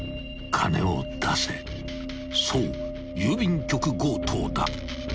［そう郵便局強盗だ］